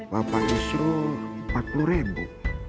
bapak justru empat puluh ribu